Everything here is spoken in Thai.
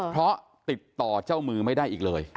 เพราะติดต่อเจ้ามือไม่ได้อีกเลย